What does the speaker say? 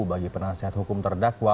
bagi penasihat hukum terdakwa